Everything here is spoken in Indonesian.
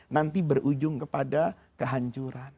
nanti berujung kepada kehancuran